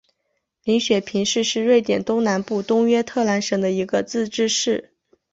林雪平市是瑞典东南部东约特兰省的一个自治市。